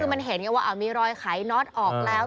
คือมันเห็นไงว่ามีรอยไขน็อตออกแล้ว